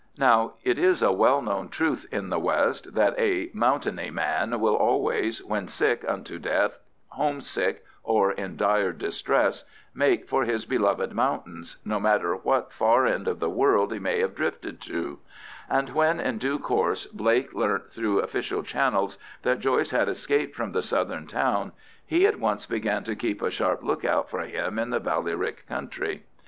Now, it is a well known truth in the west that a "mountainy" man will always, when sick unto death, home sick, or in dire distress, make for his beloved mountains, no matter what far end of the world he may have drifted to; and when in due course Blake learnt through official channels that Joyce had escaped from the southern town, he at once began to keep a sharp look out for him in the Ballyrick country.